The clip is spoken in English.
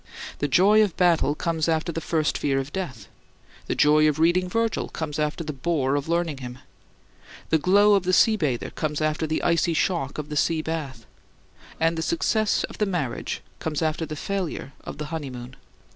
The joy of battle comes after the first fear of death; the joy of reading Virgil comes after the bore of learning him; the glow of the sea bather comes after the icy shock of the sea bath; and the success of the marriage comes after the failure of the honeymoon.